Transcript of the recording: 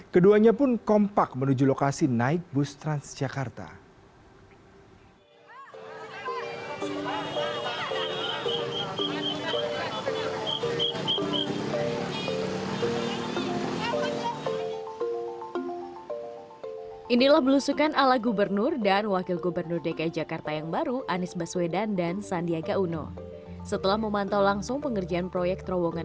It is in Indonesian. keduanya pun kompak menuju lokasi naik bus transjakarta